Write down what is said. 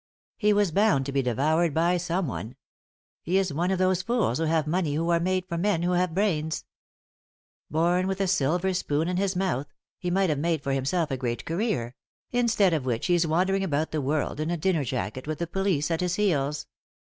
He was bound to be devoured by someone. He is one of those fools who have money who are made for men who have brains. Bom with a silver spoon in his mouth, he might have made for himself a great career ; instead of which he's wandering about the world, in a dinner jacket, with the police at his heels."